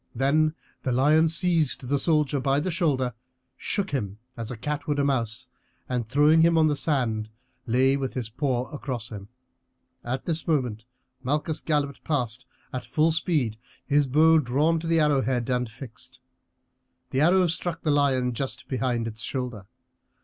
Then the lion seized the soldier by the shoulder, shook him as a cat would a mouse, and throwing him on the sand lay with his paw across him. At this moment Malchus galloped past at full speed, his bow drawn to the arrow head and fixed. The arrow struck the lion just behind its shoulder.